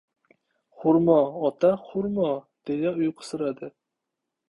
— Xurmo, ota, xurmo!.. — deya uyqusiradi.